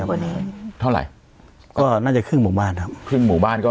วันนี้เท่าไหร่ก็น่าจะครึ่งหมู่บ้านครับครึ่งหมู่บ้านก็